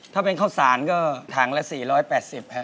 ถ้าเป็นข้าวสารก็ถังละ๔๘๐ครับ